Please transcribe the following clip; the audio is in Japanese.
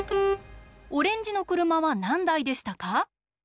オレンジの車はなんだいでしたか？